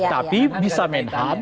tapi bisa menham